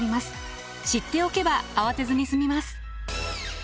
知っておけば慌てずに済みます。